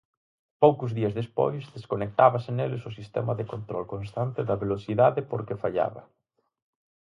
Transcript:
Poucos días despois, desconectábase neles o sistema de control constante da velocidade porque fallaba.